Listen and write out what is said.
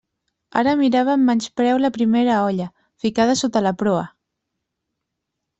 Ara mirava amb menyspreu la primera olla, ficada sota la proa.